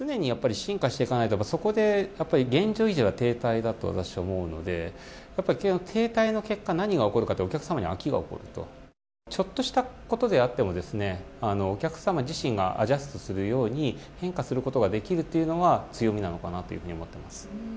常にやっぱり進化していかないとそこで現状維持は停滞だと思うので停滞の結果、何が起こるかというとお客さまにあきが起こるちょっとしたことであってもお客さま自身がアジャストするように変化することができるというのが強みなのかなと思っています。